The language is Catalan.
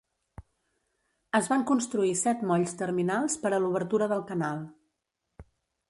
Es van construir set molls terminals per a l'obertura del canal.